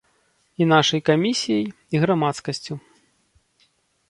І нашай камісіяй, і грамадскасцю.